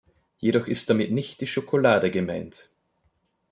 Jedoch ist damit nicht die Schokolade gemeint.